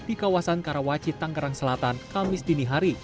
di kawasan karawaci tangkerang selatan kamis dinihari